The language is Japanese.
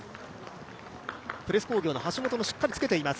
プレス工業の橋本もしっかりつけています。